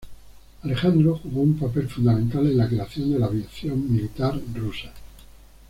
Alejandro jugó un papel fundamental en la creación de la aviación militar rusa.